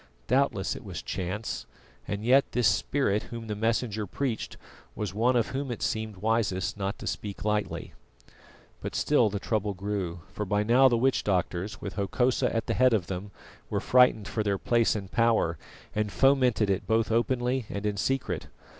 Doubtless it was chance, and yet this Spirit Whom the Messenger preached was one of Whom it seemed wisest not to speak lightly. But still the trouble grew, for by now the witch doctors, with Hokosa at the head of them, were frightened for their place and power, and fomented it both openly and in secret.